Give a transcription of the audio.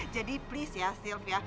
jadi please ya sylvia